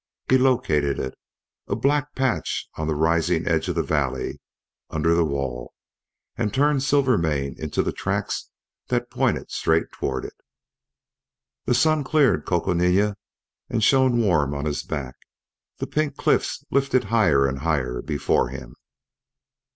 He located it, a black patch on the rising edge of the valley under the wall, and turned Silvermane into the tracks that pointed straight toward it. The sun cleared Coconina and shone warm on his back; the Pink Cliffs lifted higher and higher before him.